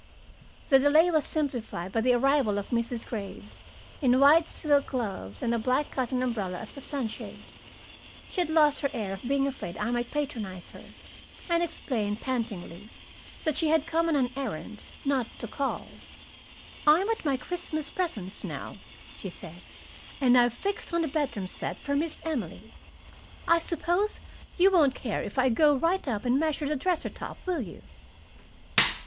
The delay was simplified by the arrival of Mrs. Graves, in white silk gloves and a black cotton umbrella as a sunshade. She had lost her air of being afraid I might patronize her, and explained pantingly that she had come on an errand, not to call. "I'm at my Christmas presents now," she said, "and I've fixed on a bedroom set for Miss Emily. I suppose you won't care if I go right up and measure the dresser top, will you?"